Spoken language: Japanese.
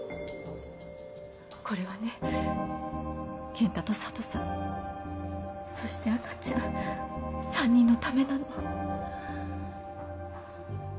これはね健太と佐都さんそして赤ちゃん３人のためなの。